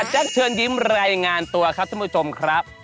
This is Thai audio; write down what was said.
แจ้งเชิญยิ้มรายงานตัวครับเจ้าผู้ชมครับ